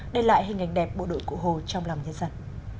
để lại hình ảnh đẹp bộ đội cụ hồ trong lòng nhân dân